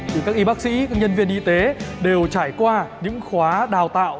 thì các y bác sĩ nhân viên y tế đều trải qua những khóa đào tạo